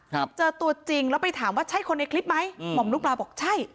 ครับเจอตัวจริงแล้วไปถามว่าใช่คนในคลิปไหมอืมห่อมลูกปลาบอกใช่